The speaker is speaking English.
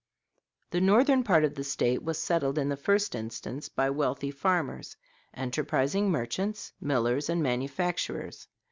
"The northern part of the State was settled in the first instance by wealthy farmers, enterprising merchants, millers, and manufacturers.